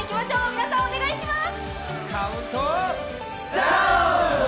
皆さん、お願いします。